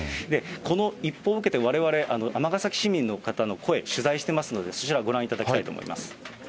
この一報を受けて、われわれ、尼崎市民の方の声、取材してますので、そちらご覧いただきたいと思います。